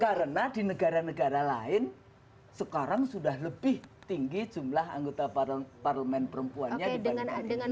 karena di negara negara lain sekarang sudah lebih tinggi jumlah anggota parlement perempuannya dibandingkan di indonesia